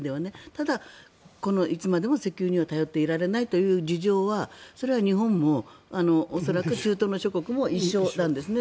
ただ、いつまでも石油には頼っていられないという事情はそれは日本も、恐らく中東の諸国も一緒なんですね。